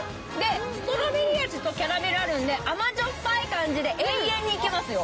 ストロベリー味とキャラメル味があるので甘じょっぱい感じで永遠にいけますよ。